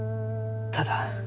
ただ。